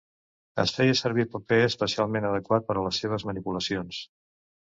Es feia servir paper especialment adequat per a les seves manipulacions.